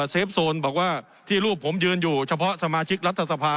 เฟฟโซนบอกว่าที่รูปผมยืนอยู่เฉพาะสมาชิกรัฐสภา